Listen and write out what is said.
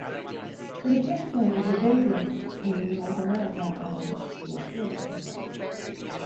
It occasionally is a vagrant to North America and to Australia.